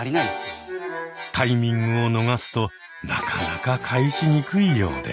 タイミングを逃すとなかなか返しにくいようで。